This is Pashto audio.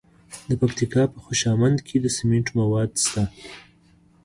د پکتیکا په خوشامند کې د سمنټو مواد شته.